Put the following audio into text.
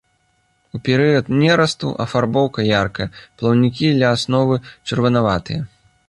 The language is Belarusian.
У перыяд нерасту афарбоўка яркая, плаўнікі ля асновы чырванаватыя.